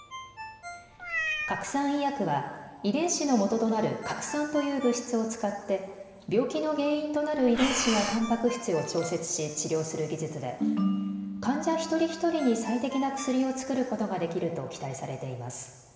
核酸医薬は遺伝子の元となる核酸という物質を使って病気の原因となる遺伝子やたんぱく質を調節し治療する技術で患者一人ひとりに最適な薬を作ることができると期待されています。